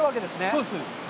そうです。